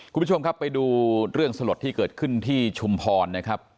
คุณผู้ชมครับไปดูเรื่องสลดที่เกิดขึ้นที่ชุมพรนะครับ